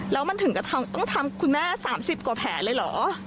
แล้วมันถึงก็ต้องทำคุณแม่๓๐กว่าแผลเลยเหรอ